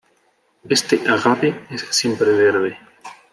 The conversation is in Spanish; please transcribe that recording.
Este "Agave" es siempreverde.